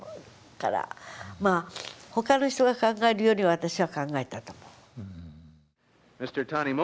だから他の人が考えるよりは私は考えたと思う。